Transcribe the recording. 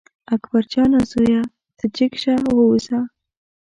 اکبر جانه زویه ته جګ شه ووځه.